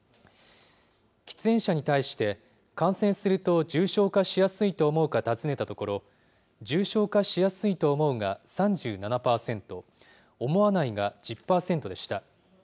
喫煙者に対して、感染すると重症化しやすいと思うか尋ねたところ、重症化しやすいと思うが３７％、思わないが１０％でした。